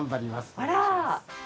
あら。